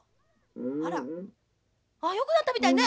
あらあよくなったみたいね！